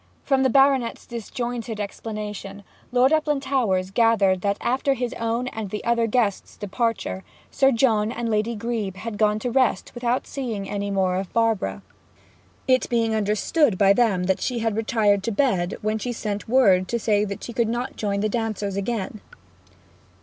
From the Baronet's disjointed explanation Lord Uplandtowers gathered that after his own and the other guests' departure Sir John and Lady Grebe had gone to rest without seeing any more of Barbara; it being understood by them that she had retired to bed when she sent word to say that she could not join the dancers again.